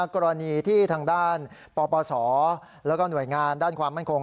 กรณีที่ทางด้านปปศแล้วก็หน่วยงานด้านความมั่นคง